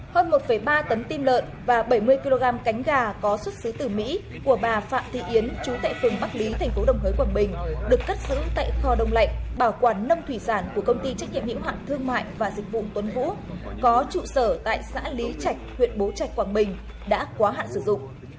hơn một ba tấn tim lợn và bảy mươi kg cánh gà có xuất xứ từ mỹ của bà phạm thị yến chú tại phường bắc lý tp đồng hới quảng bình được cất giữ tại kho đông lạnh bảo quản nông thủy sản của công ty trách nhiệm hiệu hạn thương mại và dịch vụ tuấn vũ có trụ sở tại xã lý trạch huyện bố trạch quảng bình đã quá hạn sử dụng